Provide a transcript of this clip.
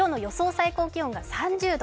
最高気温が３０度。